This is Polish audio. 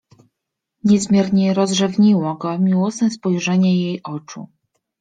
Niezmiernie rozrzewniło go miłosne spojrzenie jej oczu.